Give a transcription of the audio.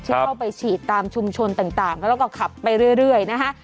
เข้าไปฉีดตามชุมชนต่างแล้วก็ขับไปเรื่อยนะคะ